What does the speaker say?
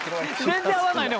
全然合わないね